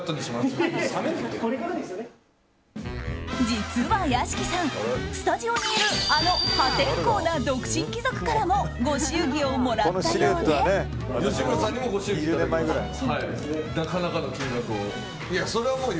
実は屋敷さんスタジオにいる、あの破天荒な独身貴族からもご祝儀をもらったようで。